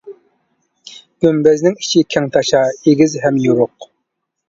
گۈمبەزنىڭ ئىچى كەڭتاشا، ئېگىز ھەم يورۇق.